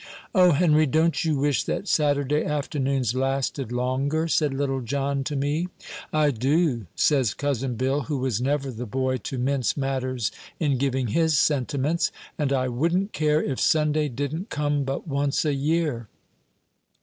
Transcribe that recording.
"O Henry, don't you wish that Saturday afternoons lasted longer?" said little John to me. "I do," says Cousin Bill, who was never the boy to mince matters in giving his sentiments; "and I wouldn't care if Sunday didn't come but once a year."